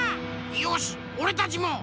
よしおれたちも！